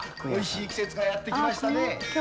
おいしい季節がやってきましたね